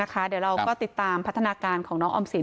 เดี๋ยวเราก็ติดตามพัฒนาการของน้องออมสิน